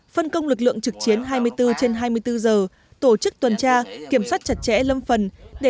phân công lực lượng trực chiến hai mươi bốn trên hai mươi bốn giờ tổ chức tuần tra kiểm soát chặt chẽ lâm phần để